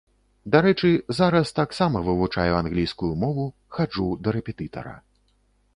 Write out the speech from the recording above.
Дарэчы, зараз таксама вывучаю англійскую мову, хаджу да рэпетытара.